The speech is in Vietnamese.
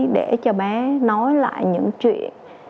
để cho bé nói lại những chuyện